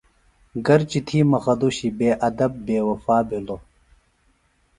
گرچہ تھی مُخہ دُشی بے ادب بے وفا بِھلوۡ۔